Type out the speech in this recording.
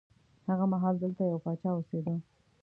هغه مهال دلته یو پاچا اوسېده.